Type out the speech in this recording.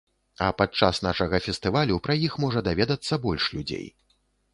А падчас нашага фестывалю пра іх можа даведацца больш людзей.